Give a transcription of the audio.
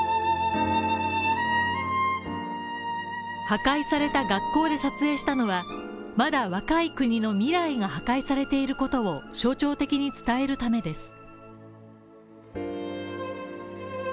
破壊された学校で撮影したのはまだ若い国の未来が破壊されていることを象徴的に伝えるためです。